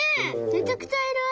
めちゃくちゃいる！